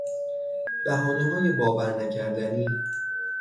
بهانههای باور نکردنی